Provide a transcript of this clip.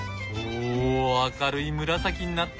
お明るい紫になった！